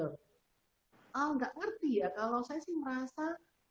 oh gak ngerti ya kalau saya sih merasa